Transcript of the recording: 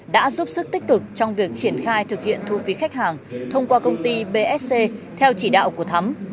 đã giúp sức tích cực trong việc triển khai thực hiện thu phí khách hàng thông qua công ty bsc theo chỉ đạo của thắm